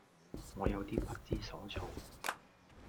我有啲不知所措